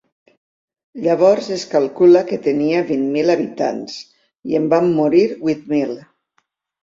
Llavors es calcula que tenia vint mil habitants i en van morir vuit mil.